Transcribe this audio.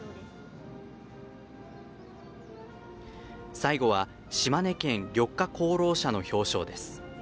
最後は「島根県緑化功労者」の表彰です。